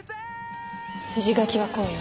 筋書きはこうよ。